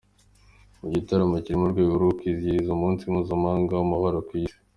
Iki gitaramo kiri mu rwego rwo kwizihiza Umunsi Mpuzamahanga w’Amahoro ku Isi.